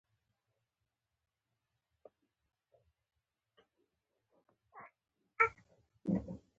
شونډې ښکل کړي